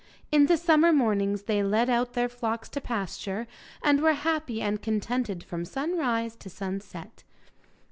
In the summer mornings they led out their flocks to pasture, and were happy and contented from sunrise to sunset.